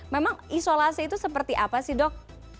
memang isolasi itu seperti apa sih dok